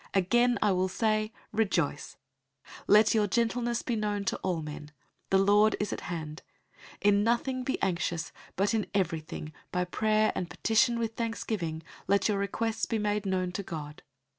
Again I will say, Rejoice! 004:005 Let your gentleness be known to all men. The Lord is at hand. 004:006 In nothing be anxious, but in everything, by prayer and petition with thanksgiving, let your requests be made known to God.